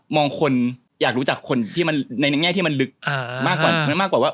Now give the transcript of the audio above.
คนอยากรู้จักคนที่มันในแง่ที่มันลึกมากกว่าว่า